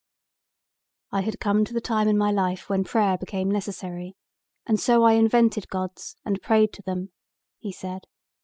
"I had come to the time in my life when prayer became necessary and so I invented gods and prayed to them," he said.